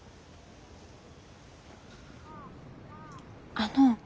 あの。